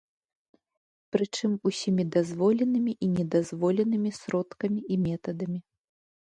Прычым усімі дазволенымі і недазволенымі сродкамі і метадамі.